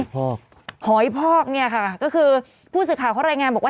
พอกหอยพอกเนี่ยค่ะก็คือผู้สื่อข่าวเขารายงานบอกว่า